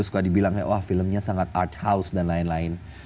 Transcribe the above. suka dibilang wah filmnya sangat art house dan lain lain